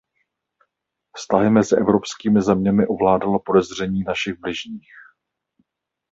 Vztahy mezi evropskými zeměmi ovládalo podezření našich bližních.